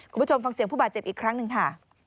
คุณผู้ชมฟังเสียงผู้บาดเจ็บอีกครั้งหนึ่งค่ะ